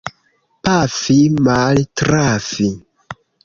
Pafi — maltrafi.